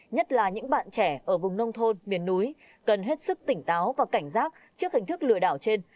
nhất là những bạn trẻ ở vùng nông thôn miền núi cần hết sức tỉnh táo và cảnh giác trước hình thức lừa đảo trên